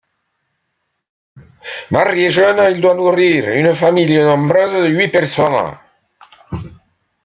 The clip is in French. Marié jeune, il doit nourrir une famille nombreuse de huit personnes.